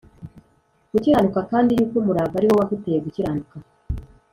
gukiranuka kandi yuko umurava ari wo waguteye gukiranuka